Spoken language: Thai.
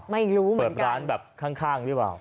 ไม่รู้แข่งหรือเปล่าเปิดร้านแบบข้างหรือเปล่า